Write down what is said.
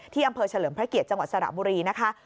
อำเภอเฉลิมพระเกียรติจังหวัดสระบุรีนะคะ